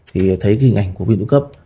thì thấy cái hình ảnh của viên tụy cấp